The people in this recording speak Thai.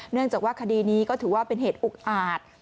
เนื่องจากว่าคดีนี้ก็ถือว่าเป็นเหตุอุกอาจ